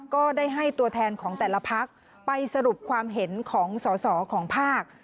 ก็ได้ให้ตัวแทนของแต่ละพักไปสรุปความเห็นของสอสอของภาค